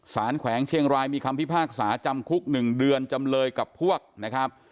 แขวงเชียงรายมีคำพิพากษาจำคุก๑เดือนจำเลยกับพวกนะครับ